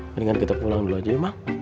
mendingan kita pulang dulu aja emang